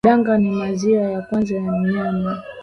Danga ni maziwa ya kwanza ya mnyama